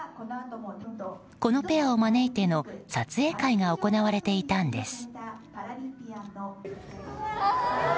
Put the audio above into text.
このペアを招いての撮影会が行われていたんです。